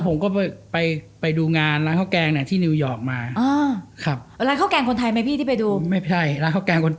ผมก็ไปดูงานร้านข้าวแกงที่เนวยอร์กมา